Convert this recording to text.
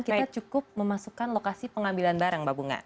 kita cukup memasukkan lokasi pengambilan barang mbak bunga